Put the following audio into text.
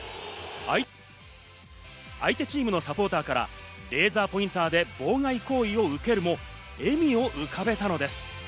相手チームのサポーターからレーザーポインターで妨害行為を受けるも、笑みを浮かべたのです。